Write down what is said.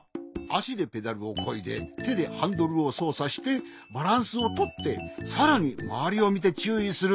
あしでペダルをこいでてでハンドルをそうさしてバランスをとってさらにまわりをみてちゅういする。